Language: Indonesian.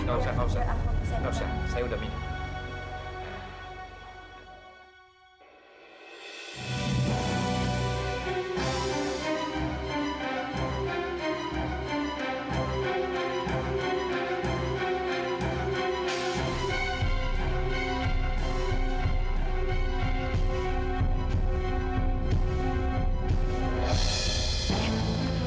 tidak usah saya sudah minum